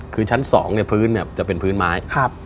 คือชั้น๒เนี่ยพื้นเนี่ยจะเป็นพื้นไม้